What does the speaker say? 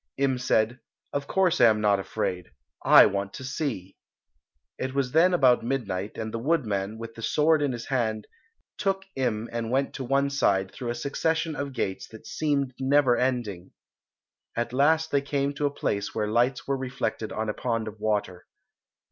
Im said, "Of course I am not afraid; I want to see." It was then about midnight, and the woodman, with the sword in his hand, took Im and went to one side through a succession of gates that seemed never ending. At last they came to a place where lights were reflected on a pond of water.